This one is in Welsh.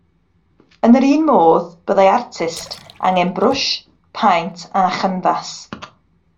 Yn yr un modd, byddai artist angen brwsh, paent a chynfas